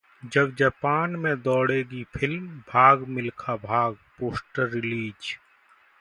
अब जापान में दौड़ेगी फिल्म 'भाग मिल्खा भाग', पोस्टर रिलीज